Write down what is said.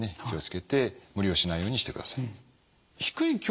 気を付けて無理をしないようにしてください。